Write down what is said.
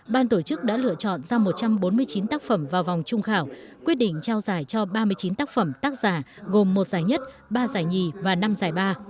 ban tổ chức đã lựa chọn ra một trăm bốn mươi chín tác phẩm vào vòng trung khảo quyết định trao giải cho ba mươi chín tác phẩm tác giả gồm một giải nhất ba giải nhì và năm giải ba